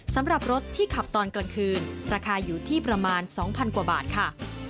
สำหรับรถที่ขับตอนกลางคืนราคาอยู่ที่ประมาณ๒๐๐กว่าบาทค่ะ